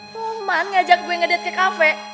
roman ngajak gue ngedate ke cafe